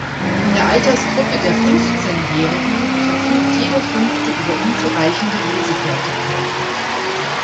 In der Altersgruppe der Fünfzehnjährigen verfügt jeder fünfte über unzureichende Lesefertigkeiten.